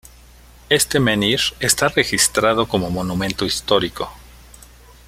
Este menhir está registrado como Monumento Histórico.